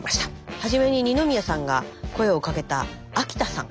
初めに二宮さんが声をかけた秋田さん。